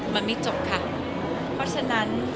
มันไม่จบค่ะเพราะฉะนั้น